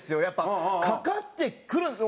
やっぱかかってくる。